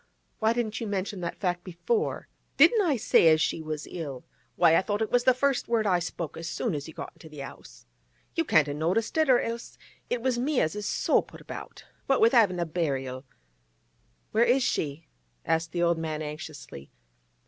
Why didn't you mention that before?' 'Didn't I say as she was ill? Why, I thought it was the first word I spoke as soon as you got into the 'ouse. You can't a noticed it, or else it was me as is so put about. What with havin' a burial—' 'Where is she?' asked the old man anxiously.